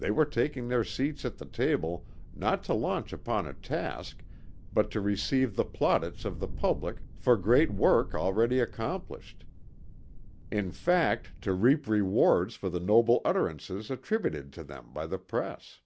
They were taking their seats at the table not to launch upon a task but to receive the plaudits of the public for great work already accomplished; in fact to reap reward for the noble utterances attributed to them by the press.